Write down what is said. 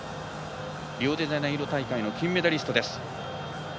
リオデジャネイロ大会の金メダリストです。